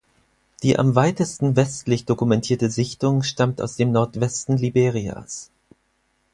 Die am weitesten westlich dokumentierte Sichtung stammt aus dem Nordwesten Liberias.